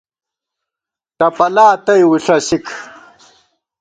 ٹپَلا تئ وُݪَسِک